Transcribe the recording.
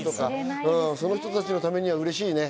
その人たちのために嬉しいね。